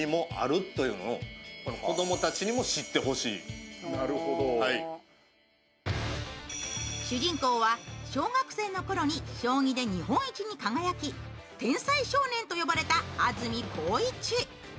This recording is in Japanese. そのやさしさをマスクにも主人公は小学生のころに将棋で日本一に輝き、天才少年と呼ばれた安住浩一。